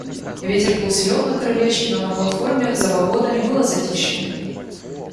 Ветер был силен на крылечке, но на платформе за вагонами было затишье.